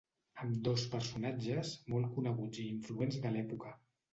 Ambdós personatges molt coneguts i influents de l'època.